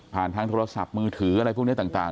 ทางโทรศัพท์มือถืออะไรพวกนี้ต่าง